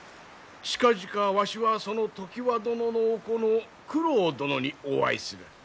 近々わしはその常磐殿のお子の九郎殿にお会いする。